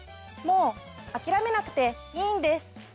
もう諦めなくていいんです。